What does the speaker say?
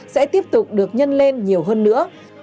sẽ tiếp tục được nhân lên nhiều hơn nữa